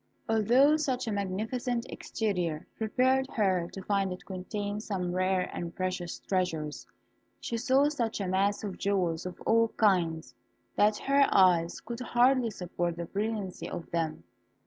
Although such a magnificent exterior prepared her to find it contain some rare and precious treasures, she saw such a mass of jewels of all kinds, that her eyes could hardly support the brilliancy of them.